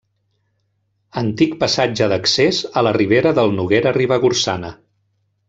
Antic passatge d'accés a la ribera del Noguera Ribagorçana.